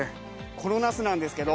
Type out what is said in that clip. このナスなんですけど。